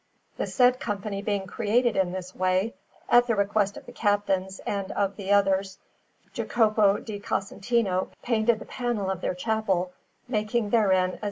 The said Company being created in this way, at the request of the captains and of the others Jacopo di Casentino painted the panel of their chapel, making therein a S.